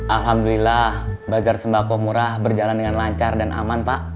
alhamdulillah bazar sembako murah berjalan dengan lancar dan aman pak